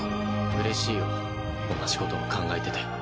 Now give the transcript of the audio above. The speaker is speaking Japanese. うれしいよ同じことを考えてて。